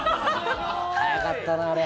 速かったな、あれ。